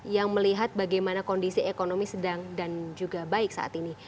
yang melihat bagaimana kondisi ekonomi sedang dan juga baik saat ini